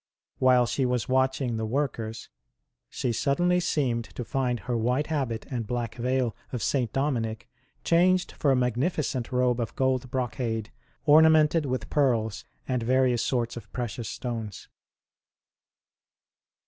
While she was watching the workers, she sud denly seemed to find her white habit and black veil of St. Dominic changed for a magnificent robe of gold brocade, ornamented with pearls and various sorts of precious stones.